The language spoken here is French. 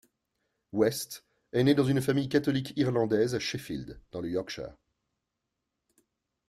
West est né dans une famille catholique irlandaise à Sheffield, dans le Yorkshire.